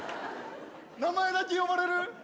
名前だけ呼ばれる？